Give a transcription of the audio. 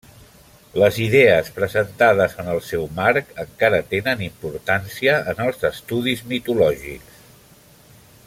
Les idees presentades en el seu marc encara tenen importància en els estudis mitològics.